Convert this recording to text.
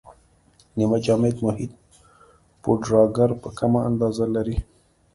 نیمه جامد محیط پوډراګر په کمه اندازه لري.